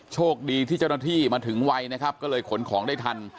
โชคดีที่เจ้าหน้าที่มาถึงไวนะครับก็เลยขนของได้ทัน